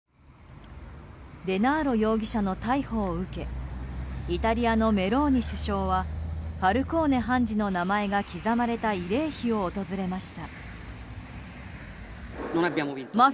デナーロ容疑者の逮捕を受けイタリアのメローニ首相はファルコーネ判事の名前が刻まれた慰霊碑を訪れました。